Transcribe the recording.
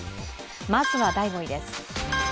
まずは第５位です。